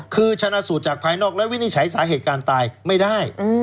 คือชนะสูตรจากภายนอกและวินิจฉัยสาเหตุการตายไม่ได้